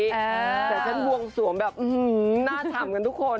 แต่ฉันบวงสวงแบบอื้อหือหน้าฉ่ำกันทุกคน